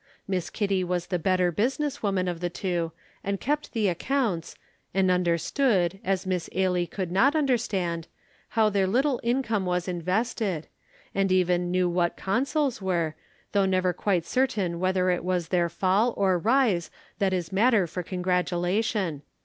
Miss Kitty was the better business woman of the two, and kept the accounts, and understood, as Miss Ailie could not understand, how their little income was invested, and even knew what consols were, though never quite certain whether it was their fall or rise that is matter for congratulation.